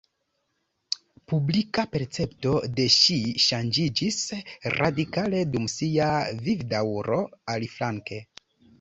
Publika percepto de ŝi ŝanĝiĝis radikale dum ŝia vivdaŭro, aliflanke.